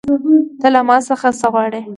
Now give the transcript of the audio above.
ته له ما څخه څه غواړې